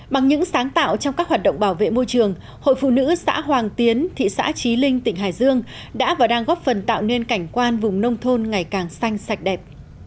bằng những sáng tạo trong các hoạt động bảo vệ môi trường hội phụ nữ xã hoàng tiến thị xã trí linh tỉnh hải dương đã và đang góp phần tạo nên cảnh quan vùng nông thôn ngày càng xanh sạch đẹp